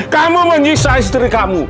kamu menyisai istri kamu